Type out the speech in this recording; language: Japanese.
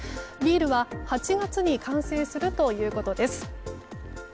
ビールは８月に完成するということです。